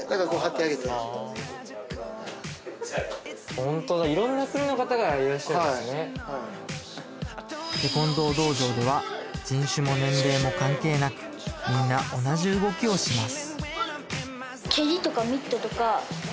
ホントだはいはいテコンドー道場では人種も年齢も関係なくみんな同じ動きをします